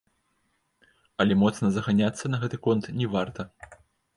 Але моцна заганяцца на гэты конт не варта.